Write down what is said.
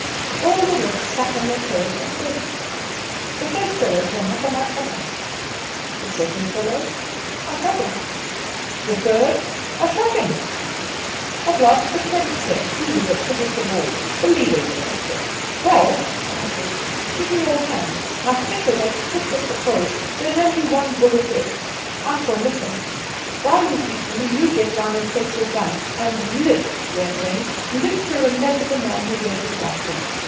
All the rest sat on their tails and waited. The first fellow came up, and I shot him; the second fellow I shot him; the third I shot him. At last the tenth came; he was the biggest of all the leader, you may say. "'Wall,' I said, 'give me your hand. My fingers are stiff with the cold; there is only one bullet left. I shall miss him. While he is eating me you get down and take your gun; and live, dear friend, live to remember the man who gave his life for you!